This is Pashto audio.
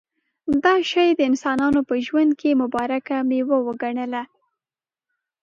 دا شی د انسانانو په ژوند کې مبارکه مېوه وګڼله.